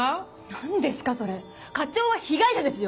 何ですかそれ課長は被害者ですよ